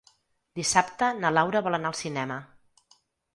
Dissabte na Laura vol anar al cinema.